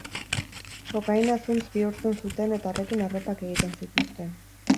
Kokaina zuntz bihurtzen zuten eta horrekin arropak egiten zituzten.